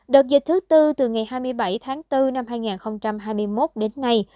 đợt dịch thứ tư từ ngày hai mươi bảy tháng bốn năm hai nghìn hai mươi một đến nay